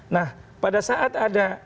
nah pada saat ada